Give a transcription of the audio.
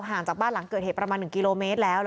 ห่างจากบ้านหลังเกิดเหตุประมาณ๑กิโลเมตรแล้ว